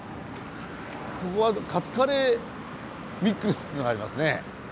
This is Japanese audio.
ここはカツカレーミックスっていうのがありますね。